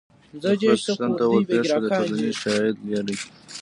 د خره څښتن ته ورپېښه ده ټولنیز شالید لري